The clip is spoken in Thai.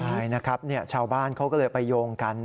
ใช่นะครับชาวบ้านเขาก็เลยไปโยงกัน